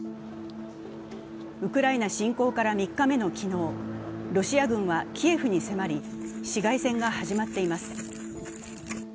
ウクライナ侵攻から３日目の昨日ロシア軍はキエフに迫り市街戦が始まっています。